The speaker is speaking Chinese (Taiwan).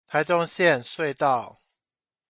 臺中線隧道